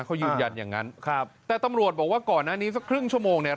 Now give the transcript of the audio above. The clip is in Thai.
เขายืนยันอย่างนั้นครับแต่ตำรวจบอกว่าก่อนหน้านี้สักครึ่งชั่วโมงเนี่ย